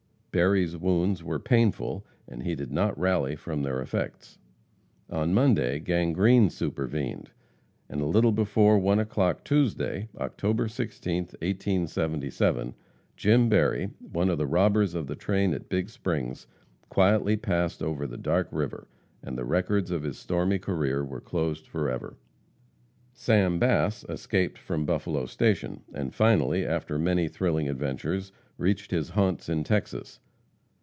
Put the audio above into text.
Berry's wounds were painful, and he did not rally from their effects. On Monday, gangrene supervened, and a little before 1 o'clock Tuesday, October 16th, 1877, Jim Berry, one of the robbers of the train at Big Springs, quietly passed over the dark river, and the records of his stormy career were closed forever. Sam Bass escaped from Buffalo station, and finally, after many thrilling adventures, reached his haunts in Texas.